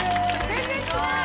全然違う。